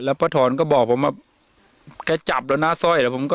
แล้วป้าถอนก็บอกผมว่าแกจับแล้วนะซ่อย